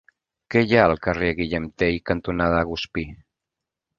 Què hi ha al carrer Guillem Tell cantonada Guspí?